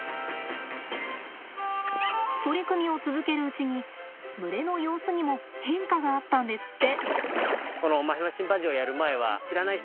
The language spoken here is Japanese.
取り組みを続けるうちに群れの様子にも変化があったんですって。